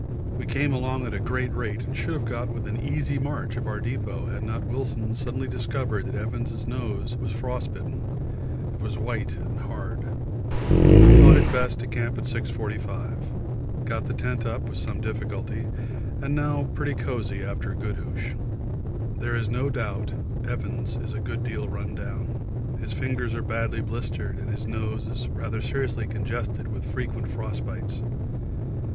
We came along at a great rate and should have got within an easy march of our depot had not Wilson suddenly discovered that Evans' nose was frostbitten it was white and hard. We thought it best to camp at 6.45. Got the tent up with some difficulty, and now pretty cosy after good hoosh. There is no doubt Evans is a good deal run down his fingers are badly blistered and his nose is rather seriously congested with frequent frost bites.